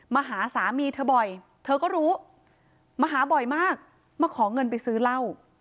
มาหาสามีเธอบ่อยเธอก็รู้มาหาบ่อยมากมาขอเงินไปซื้อเหล้า